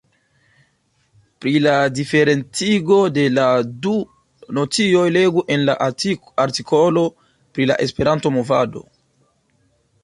Pri la diferencigo de la du nocioj legu en la artikolo pri la Esperanto-movado.